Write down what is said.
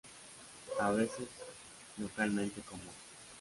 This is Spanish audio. A veces localmente común.